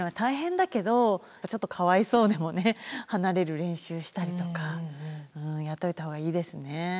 ちょっとかわいそうでもね離れる練習したりとかやっといた方がいいですね。